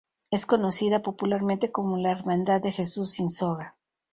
Es conocida popularmente como la Hermandad de Jesús sin Soga.